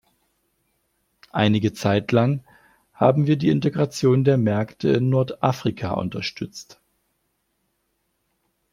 Einige Zeit lang haben wir die Integration der Märkte in Nordafrika unterstützt.